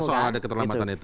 soal ada keterlambatan itu